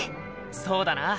そうだな。